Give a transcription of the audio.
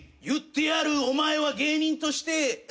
言ってやるお前は芸人として」